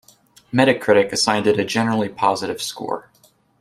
Metacritic assigned it a generally positive score.